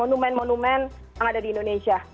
monumen monumen yang ada di indonesia